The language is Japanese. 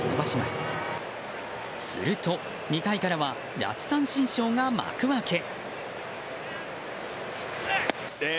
すると、２回からは奪三振ショーが幕開け。